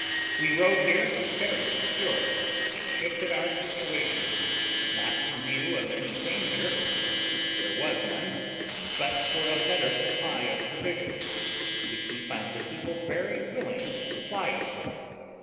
We rode here very secure, and shifted our situation, not in view of any danger, for there was none, but for a better supply of provisions, which we found the people very willing to supply us with.